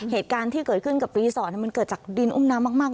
เหตุการณ์ที่เกิดขึ้นกับรีสอร์ทมันเกิดจากดินอุ้มน้ำมาก